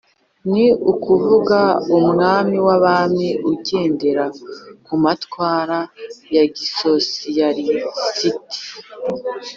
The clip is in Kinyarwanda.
ni ukuvuga umwami w'abami ugendera ku matwara ya gisosiyalisiti